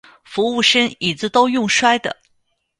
服务生椅子都用摔的